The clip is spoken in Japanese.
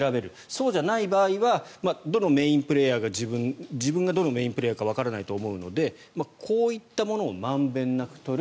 そうじゃない場合は自分がどのメインプレーヤーかわからないと思うのでこういったものを満遍なく取る。